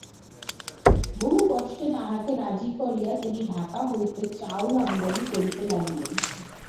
বহু কষ্টে তাঁহাকে রাজী করিয়া তিনি ঢাকা হইতে চাউল আমদানি করিতে লাগিলেন।